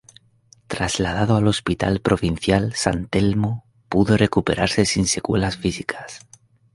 Trasladado al Hospital Provincial San Telmo pudo recuperarse sin secuelas físicas.